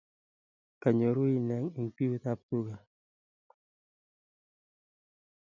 Kanyoru ine eng biut ab tuga